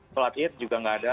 sholat id juga nggak ada